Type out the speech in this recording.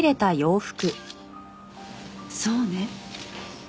そうね。